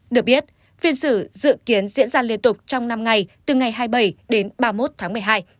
được biết phiên xử dự kiến diễn ra liên tục trong năm ngày từ ngày hai mươi bảy đến ba mươi một tháng một mươi hai